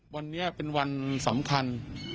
วันนี้เป็นวันสำคัญ